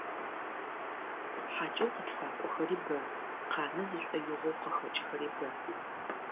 Хьакӏэу къытфакӏохэри бэ, къанэ зышӏоигъоу къыхэкӏхэри бэ.